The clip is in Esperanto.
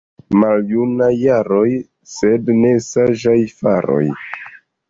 Maljunaj jaroj, sed ne saĝaj faroj.